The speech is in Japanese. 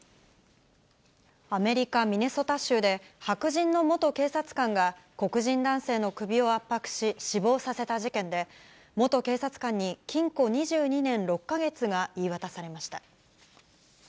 アメリカ・ミネソタ州で、白人の元警察官が黒人男性の首を圧迫し、死亡させた事件で、元警察官に禁錮２２年６か月が言い渡されました。